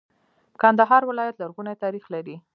کندهار ولایت لرغونی تاریخ لري.